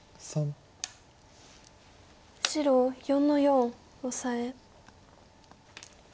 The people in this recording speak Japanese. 白４の四オサエ。